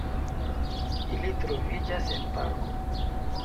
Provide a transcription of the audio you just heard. Ili troviĝas en parko.